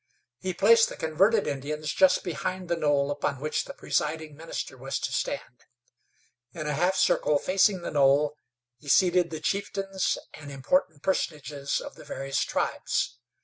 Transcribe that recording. He placed the converted Indians just behind the knoll upon which the presiding minister was to stand. In a half circle facing the knoll he seated the chieftains and important personages of the various tribes.